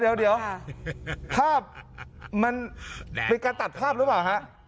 เดี๋ยวภาพมันเป็นการตัดภาพหรือเปล่าฮะ